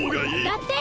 だって！